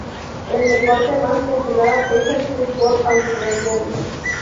El deporte más popular es el fútbol australiano.